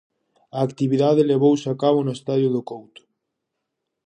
A actividade levouse a cabo no Estadio do Couto.